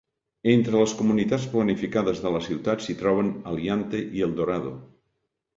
Entre les comunitats planificades de la ciutat s'hi troben Aliante i Eldorado.